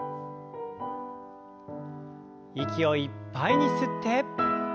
息をいっぱいに吸って。